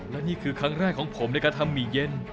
และนี่คือครั้งแรกของผมในการทำหมี่เย็น